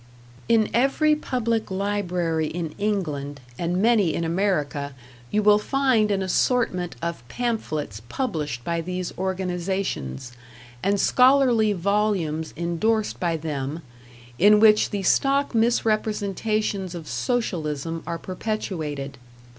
In every public library in England and many in America you will find an assortment of pamphlets published by these organizations, and scholarly volumes endorsed by them, in which the stock misrepresentations of Socialism are perpetuated.